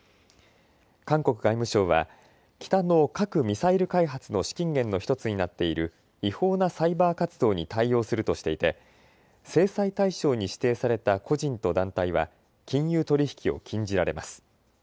韓国外務省は北の核・ミサイル開発の資金源の１つになっている違法なサイバー活動に対応するとしていて制裁対象に指定された個人と団体は金融取り引きを禁じられます。